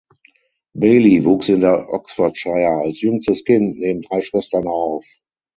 Bailey wuchs in Oxfordshire als jüngstes Kind neben drei Schwestern auf.